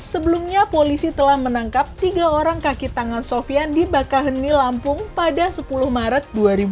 sebelumnya polisi telah menangkap tiga orang kaki tangan sofian di bakaheni lampung pada sepuluh maret dua ribu dua puluh